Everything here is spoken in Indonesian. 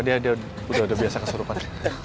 dia udah biasa keserupan